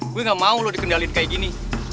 gue gak mau lo dikendaliin kayak gini